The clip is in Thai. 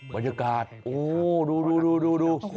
บรรยากาศโอ้ดูโอ้โห